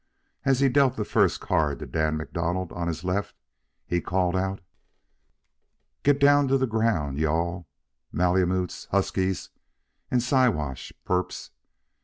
As he dealt the first card to Dan MacDonald, on his left, he called out: "Get down to the ground, you all, Malemutes, huskies, and Siwash purps!